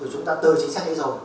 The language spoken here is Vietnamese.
rồi chúng ta tư chính sách ấy rồi